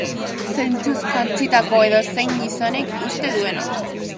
Zentzuz jantzitako edozein gizonek uste duena.